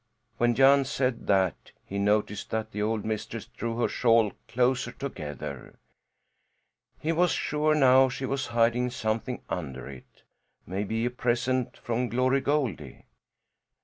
When Jan said that he noticed that the old mistress drew her shawl closer together. He was sure now she was hiding something under it maybe a present from Glory Goldie!